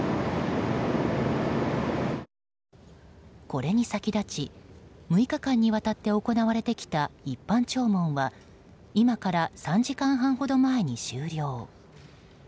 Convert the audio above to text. これに先立ち６日間にわたって行われてきた一般弔問は今から３時間半ほど前に終了。